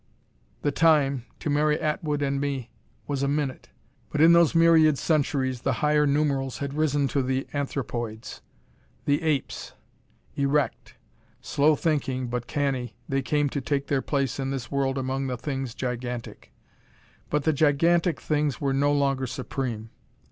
The Time, to Mary Atwood and me, was a minute but in those myriad centuries the higher numerals had risen to the anthropoids. The apes! Erect! Slow thinking, but canny, they came to take their place in this world among the things gigantic. But the gigantic things were no longer supreme.